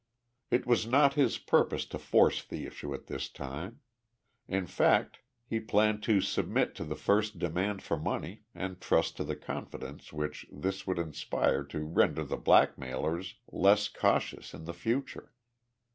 It was not his purpose to force the issue at this time. In fact, he planned to submit to the first demand for money and trust to the confidence which this would inspire to render the blackmailers less cautious in the future.